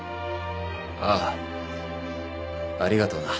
ああ。ありがとな。